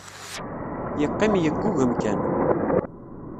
Yeqqim yeggugem kan.